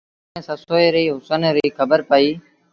جڏهيݩ سسئيٚ ري هُسن ريٚ کبرپئيٚ۔